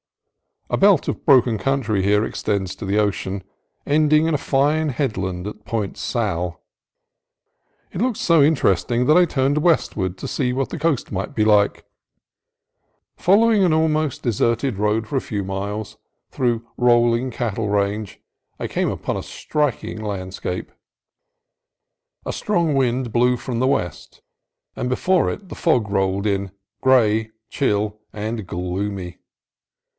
A belt of broken country here extends to the ocean, ending in a fine headland at Point Sal. It looked so interesting that I turned westward to see what the coast might be like. Following an almost disused POINT SAL 133 road for a few miles through rolling cattle range I came upon a striking landscape. A strong wind blew from the west, and before it the fog rolled in, gray, chill, and gloomy.